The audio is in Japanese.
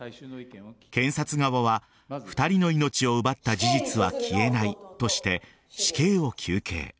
検察側は２人の命を奪った事実は消えないとして死刑を求刑。